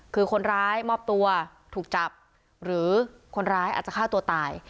คือคนร้ายมอบตัวถูกจับหรือคนร้ายอาจจะฆ่าตัวตาย